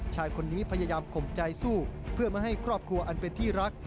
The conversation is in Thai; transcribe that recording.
ชายคนนี้พยายามข่มใจสู้เพื่อไม่ให้ครอบครัวอันเป็นที่รัก